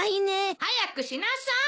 ・早くしなさい！